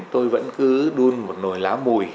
tôi vẫn cứ đun một nồi lá mùi